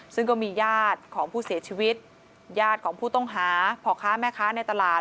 ซึ่งก็มีญาติของผู้เสียชีวิตญาติของผู้ต้องหาพ่อค้าแม่ค้าในตลาด